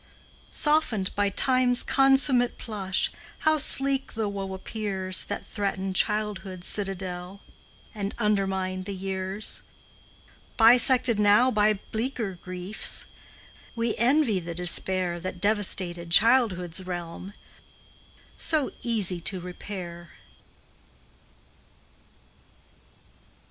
Softened by Time's consummate plush, How sleek the woe appears That threatened childhood's citadel And undermined the years! Bisected now by bleaker griefs, We envy the despair That devastated childhood's realm, So easy to repair.